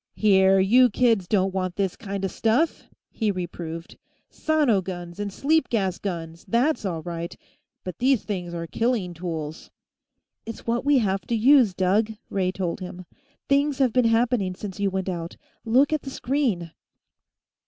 "Here; you kids don't want this kinda stuff," he reproved. "Sono guns, and sleep gas guns, that's all right. But these things are killing tools!" "It's what we'll have to use, Doug," Ray told him. "Things have been happening, since you went out. Look at the screen."